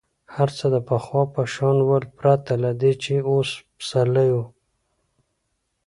هر څه د پخوا په شان ول پرته له دې چې اوس پسرلی وو.